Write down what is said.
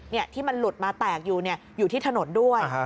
เนี่ยที่มันหลุดมาแตกอยู่ที่ถนนด้วย